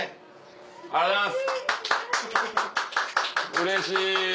うれしい。